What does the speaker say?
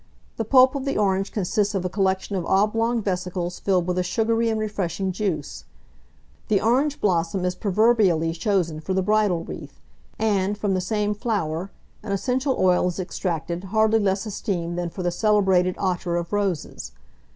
The pulp of the orange consists of a collection of oblong vesicles filled with a sugary and refreshing juice. The orange blossom is proverbially chosen for the bridal wreath, and, from the same flower, an essential oil is extracted hardly less esteemed than the celebrated ottar of roses.